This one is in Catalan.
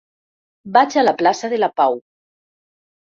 Vaig a la plaça de la Pau.